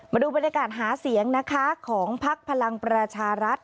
มาดูบรรยากาศหาเสียงนะคะของพักพลังประชารัฐ